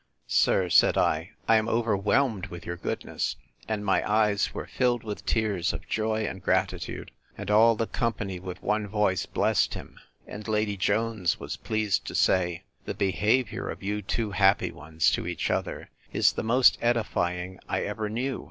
Sir, said I, I am overwhelmed with your goodness!—And my eyes were filled with tears of joy and gratitude: and all the company with one voice blessed him. And Lady Jones was pleased to say, The behaviour of you two happy ones, to each other, is the most edifying I ever knew.